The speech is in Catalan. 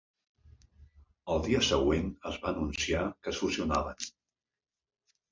Al dia següent es va anunciar que es fusionaven.